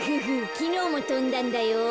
きのうもとんだんだよ。